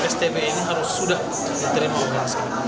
stb ini harus sudah diterima oleh aso